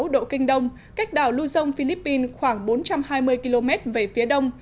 một trăm hai mươi sáu độ kinh đông cách đảo luzon philippines khoảng bốn trăm hai mươi km về phía đông